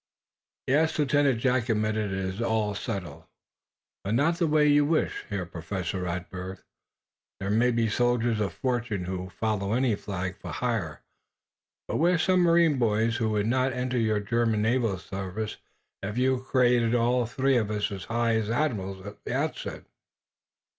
"Yes," Lieutenant Jack admitted, "it is all settled. But not the way that you would wish, Herr Professor Radberg. There may be soldiers of fortune who follow any flag, for hire. But we submarine boys would not enter your German naval service if you created all three of us high admirals at the outset."